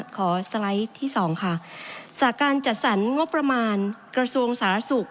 ขอสไลด์ที่สองค่ะสการจัดสรรงบประมาณกระทรวงสารสุข